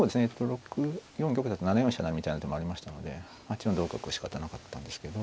６四玉だと７四飛車成みたいな手もありましたので８四同角はしかたなかったんですけど。